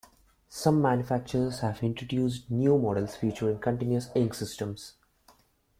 Some manufacturers have introduced new models featuring continuous ink systems.